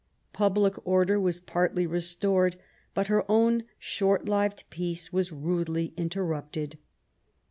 Public order was partly restored, but her own short lived peace was ^ rudely interrupted.